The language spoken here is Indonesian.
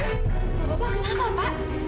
bapak kenapa pak